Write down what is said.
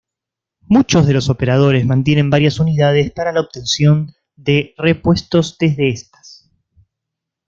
Muchos de los operadores mantienen varias unidades para la obtención de repuestos desde estas.